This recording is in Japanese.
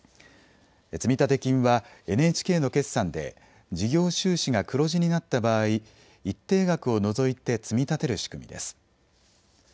積立金はＮＨＫの決算で事業収支が黒字になった場合、一定額を除いて積み立てる仕組みです。